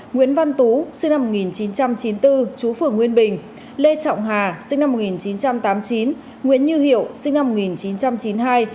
nguyễn văn tú sinh năm một nghìn chín trăm chín mươi bốn chú phường nguyên bình lê trọng hà sinh năm một nghìn chín trăm tám mươi chín nguyễn như hiệu sinh năm một nghìn chín trăm chín mươi hai